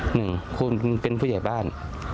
หนึ่งคุณเป็นผู้ใหญ่บ้าน